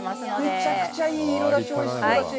めちゃめちゃいい色だし、おいしそう！